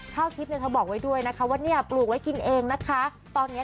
ข้าวทริปเนี่ยเธอบอกไว้ด้วยนะค่ะว่าเนี่ย